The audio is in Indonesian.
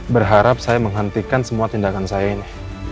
berharap saya menghentikan semua tindakan saya ini